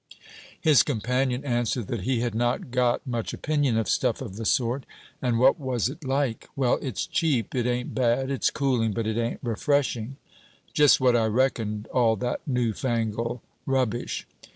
His companion answered, that he had not got much opinion of stuff of the sort; and what was it like? 'Well, it's cheap, it ain't bad; it's cooling. But it ain't refreshing.' 'Just what I reckoned all that newfangle rubbish.'